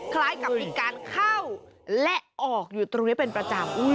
คล้ายกับมีการเข้าและออกอยู่ตรงนี้เป็นประจำ